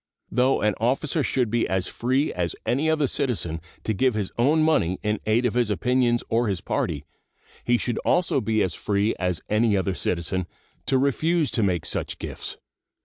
Though an officer should be as free as any other citizen to give his own money in aid of his opinions or his party, he should also be as free as any other citizen to refuse to make such gifts.